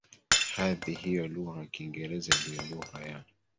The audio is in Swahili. hadhi hiyo lugha ya Kiingereza iliyo lugha ya